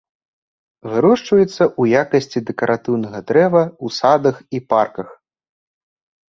Вырошчваецца ў якасці дэкаратыўнага дрэва ў садах і парках.